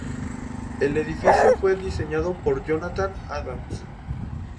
El edificio fue diseñado por Jonathan Adams.